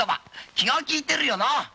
気が利いてるよな。